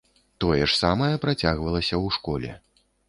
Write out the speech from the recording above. Тое ж самае працягвалася ў школе.